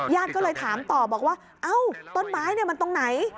ญาติก็เลยถามต่อบอกว่าเอ้าต้นไม้มันตรงไหน